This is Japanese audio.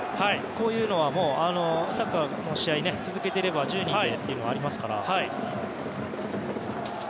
こういうのはサッカーの試合を続けていれば１０人でというのはありますから。